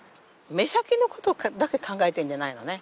目先のことだけ考えてるんじゃないのね。